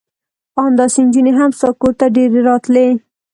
ان داسې نجونې هم ستا کور ته ډېرې راتلې.